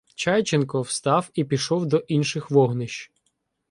Чайченко встав і пішов до інших вогнищ.